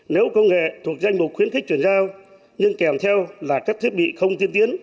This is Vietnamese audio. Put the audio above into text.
nếu công nghệ thuộc danh mục khuyến khích chuyển giao nhưng kèm theo là các thiết bị không tiên tiến